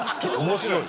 面白い！